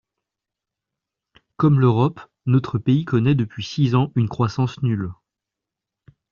Comme l’Europe, notre pays connaît depuis six ans une croissance nulle.